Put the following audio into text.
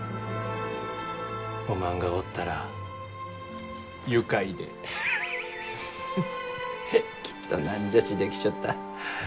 おまんがおったら愉快でハハハハッきっと何じゃちできちょった。